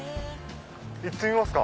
行ってみますか。